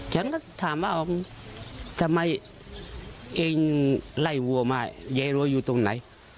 ฉันก็ถามว่าทำไมเองไล่วัวมายายรัวอยู่ตรงไหน